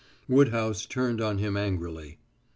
Woodhouse turned on him angrily.